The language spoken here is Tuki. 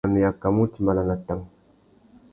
Mbanu i akamú utimbāna nà tang.